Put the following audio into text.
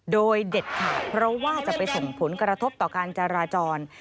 โดยเด็ดขาดเพราะว่าจะไปส่งผลกระทบต่อการจราจร